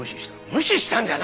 無視したんじゃない！